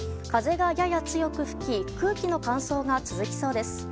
風がやや強く吹き空気の乾燥が続きそうです。